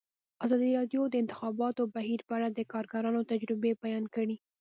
ازادي راډیو د د انتخاباتو بهیر په اړه د کارګرانو تجربې بیان کړي.